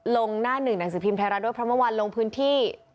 ลงหน้าหนึ่งหนังสือทิมไทยรัฐด้วยพรรภ์มะวันลงพื้นที่